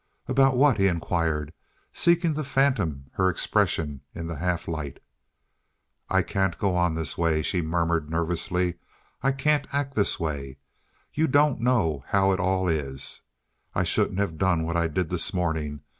"About what?" he inquired, seeking to fathom her expression in the half light. "I can't go on this way," she murmured nervously. "I can't act this way. You don't know how it all is. I shouldn't have done what I did this morning.